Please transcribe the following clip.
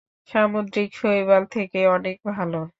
সামুদ্রিক শৈবাল থেকে অনেক ভালো।